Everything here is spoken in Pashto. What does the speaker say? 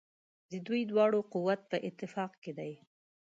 د دوی دواړو قوت په اتفاق کې دی.